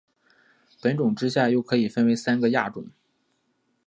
本种之下又可分为三个亚种。